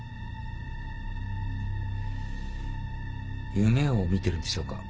夢を見てるんでしょうか。